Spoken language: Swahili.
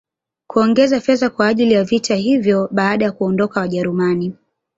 kuongeza fedha kwa ajili ya vita hivyo Baada ya kuondoka wajerumani